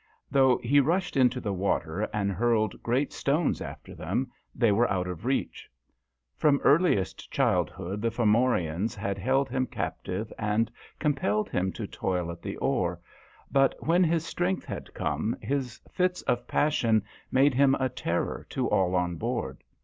Though he rushed into the water and hurled great stones after them 174 DHOYA. they were out of reach. From earliest childhood the Fomorians had held him captive and com pelled him to toil at the oar, but when his strength had come his fits of passion made him a terror to all on board.